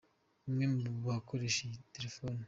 " Umwe mu bakoresha iyi terefone.